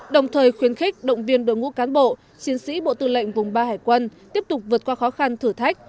đồng thời khuyến khích động viên đội ngũ cán bộ chiến sĩ bộ tư lệnh vùng ba hải quân tiếp tục vượt qua khó khăn thử thách